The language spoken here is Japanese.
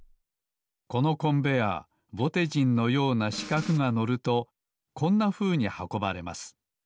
このコンベアーぼてじんのようなしかくが乗るとこんなふうにはこばれます。